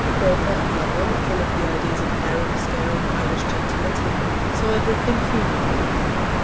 Croker and Lover, full of the ideas of harum scarum Irish gentility, saw everything humorised.